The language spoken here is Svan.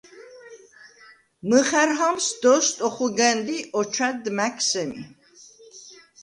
მჷხა̈რ ჰამს დოსდ ოხუგა̈ნდ ი ოჩვა̈დდ მა̈გ სემი.